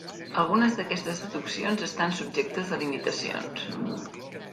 Algunes d'aquestes deduccions estan subjectes a limitacions.